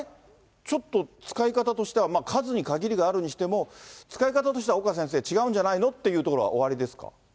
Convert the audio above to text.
ちょっと使い方としては、数に限りがあるにしても、使い方としては、岡先生、違うんじゃないのということはおありですか？